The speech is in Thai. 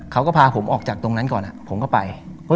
เขาก็พาผมออกจากตรงนั้นก่อนผมก็ไป